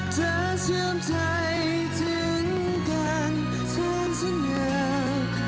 จะเชื่อมใจถึงกันทางเสียงเหงื่อ